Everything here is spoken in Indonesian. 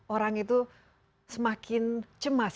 orang itu semakin cemas